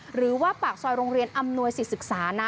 หรือว่าปากซอยโรงเรียนอำนวยสิทธศึกษานะ